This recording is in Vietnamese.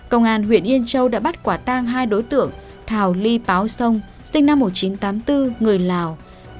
công an huyện yên châu đã bắt quả tang hai đối tượng thảo ly báo sông sinh năm một nghìn chín trăm tám mươi bốn người lào